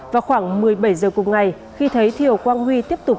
vào khoảng một mươi bảy h cùng ngày khi thấy thiều quang huy tiếp tục